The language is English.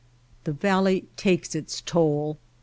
The valley takes its toll.